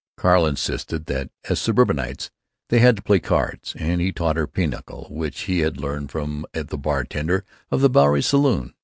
Carl insisted that, as suburbanites, they had to play cards, and he taught her pinochle, which he had learned from the bartender of the Bowery saloon.